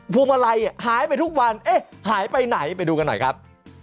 วงมาลัยหายไปทุกวันเอ๊ะหายไปไหนไปดูกันหน่อยครับ